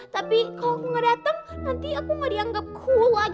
tapi kalau aku nggak datang nanti aku nggak dianggap kuat